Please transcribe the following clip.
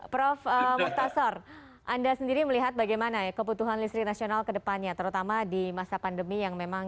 prof muktasar anda sendiri melihat bagaimana ya kebutuhan listrik nasional kedepannya terutama di masa pandemi yang memang